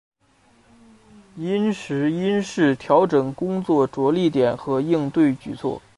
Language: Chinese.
因时因势调整工作着力点和应对举措